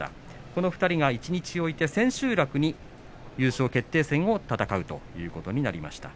この２人で一日置いて千秋楽に優勝決定戦を戦うということになりました。